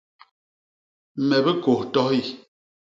Me bikôs tohi.